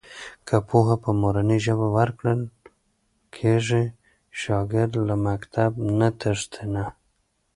که پوهه په مورنۍ ژبه ورکول کېږي، شاګرد له مکتب نه تښتي نه.